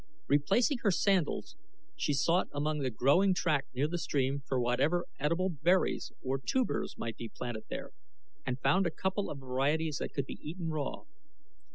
Replacing her sandals she sought among the growing track near the stream for whatever edible berries or tubers might be planted there, and found a couple of varieties that could be eaten raw.